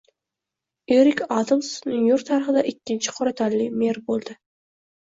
Erik Adams Nyu-York tarixida ikkinchi qora tanli mer bo‘lding